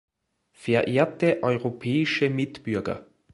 Verehrte europäische Mitbürger!